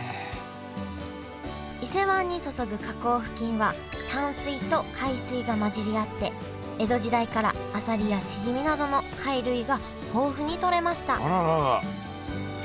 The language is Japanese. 伊勢湾に注ぐ河口付近は淡水と海水が混じり合って江戸時代からあさりやしじみなどの貝類が豊富にとれました